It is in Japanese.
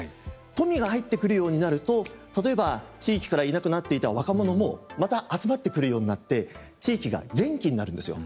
富が入ってくるようになると例えば地域からいなくなっていた若者もまた集まってくるようになって地域が元気になるんですよ。